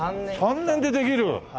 ３年でできる？